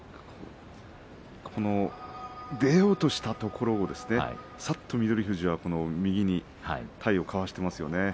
この出ようとしたところをさっと翠富士は右に体をかわしていますね。